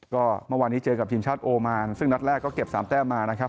ก็เมื่อวานนี้เจอกับทีมชาติโอมานซึ่งนัดแรกก็เก็บ๓แต้มมานะครับ